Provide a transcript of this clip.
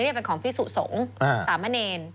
และพี่สูงสมศีลประเภอ